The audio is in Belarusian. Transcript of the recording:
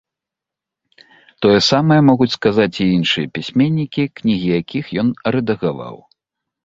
Тое самае могуць сказаць і іншыя пісьменнікі, кнігі якіх ён рэдагаваў.